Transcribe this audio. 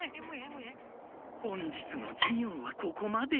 本日の授業はここまで。